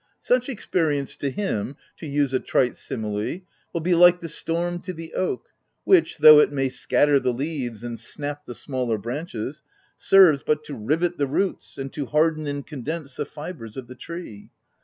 Such experience, to him, (to use a trite simile,) will be like the storm to the oak, which, though it may scatter the leaves, and snap the smaller branches, serves but to rivet the roots, and to harden and con dence the fibres of the tree.